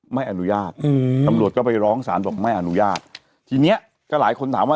ไม่อนุญาตอืมตำรวจก็ไปร้องศาลบอกไม่อนุญาตทีเนี้ยก็หลายคนถามว่า